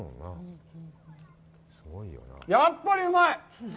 やっぱりうまい！